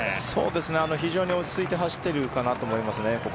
非常に落ち着いて走っていると思います。